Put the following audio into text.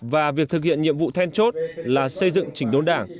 và việc thực hiện nhiệm vụ then chốt là xây dựng chỉnh đốn đảng